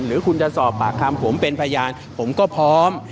หรือคุณจะสอบปากคำผมเป็นพยานผมก็พร้อม